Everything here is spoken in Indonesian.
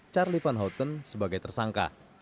charlie van houten sebagai tersangka